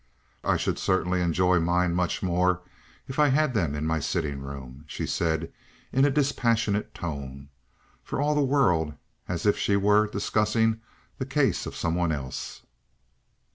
I should certainly enjoy mine much more if I had them in my sitting room," she said in a dispassionate tone, for all the world as if she were discussing the case of some one else.